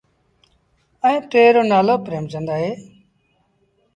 ائيٚݩ ٽي رو نآلو پريمچند اهي۔